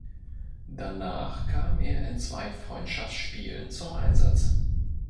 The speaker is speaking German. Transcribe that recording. Danach kam er in zwei Freundschaftsspielen zum Einsatz.